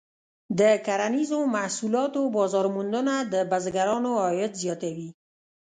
د کرنیزو محصولاتو بازار موندنه د بزګرانو عاید زیاتوي.